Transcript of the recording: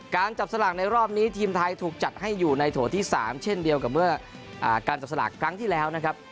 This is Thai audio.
จับสลากในรอบนี้ทีมไทยถูกจัดให้อยู่ในโถที่๓เช่นเดียวกับเมื่อการจับสลากครั้งที่แล้วนะครับ